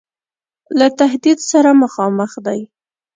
له تهدید سره مخامخ دی.